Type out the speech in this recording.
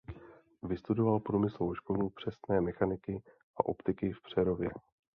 Vystudoval Průmyslovou školu přesné mechaniky a optiky v Přerově.